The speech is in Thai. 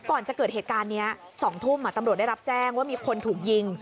ก่อนจะเกิดเหตุการณ์นี้๒ทุ่มตำรวจได้รับแจ้งว่ามีคนถูกยิง